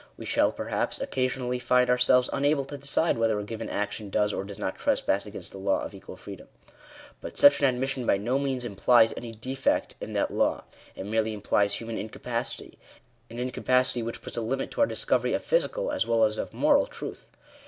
We shall, perhaps, occasionally find ourselves unable to decide whether a given action does or does not trespass against the law of equal freedom. But such an admission by no means implies any defect in that law. It merely implies human incapacity — an incapacity which puts a limit to our discovery of physical as well as of moral troth.